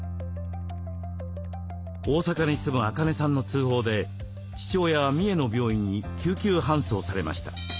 大阪に住むアカネさんの通報で父親は三重の病院に救急搬送されました。